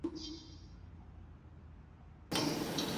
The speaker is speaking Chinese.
锡帕卡特由埃斯昆特拉省和太平洋所包围。